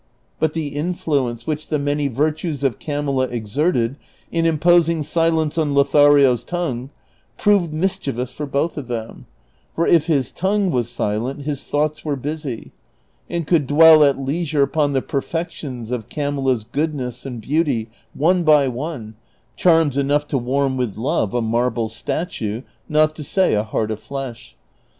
But the influence which the many virtues of Camilla exerted in imposing silence on Lothario's tongue proved mischievous for l)oth of them, for if his tongue was silent his thoughts were busy, and could dwell at leisure upon the perfections of Camilla's goodness and beauty one by one, charms enougli to warm with love a marble statue, not to say a heart of flesh.